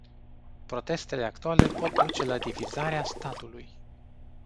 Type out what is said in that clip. Protestele actuale pot duce la divizarea statului.